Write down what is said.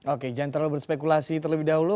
oke jangan terlalu berspekulasi terlebih dahulu